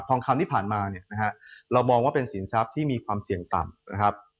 ทองคำที่ผ่านมาเรามองว่าเป็นสินทรัพย์ที่มีความเสี่ยงต่ำ